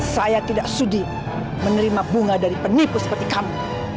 saya tidak sudi menerima bunga dari penipu seperti kamu